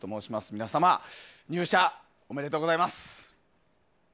皆様、入社おめでとうございます。